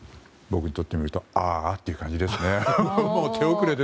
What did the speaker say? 僕にとってみるとあーあって感じですね。